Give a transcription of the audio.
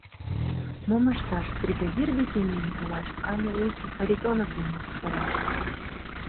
Мом ышташ, бригадир деке миен толаш але лучо Харитонов денак кутыраш?